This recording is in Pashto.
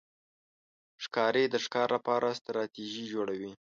ښکاري د ښکار لپاره ستراتېژي جوړوي.